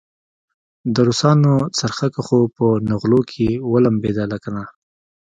د روسانو څرخکه خو په نغلو کې ولمبېدله کنه.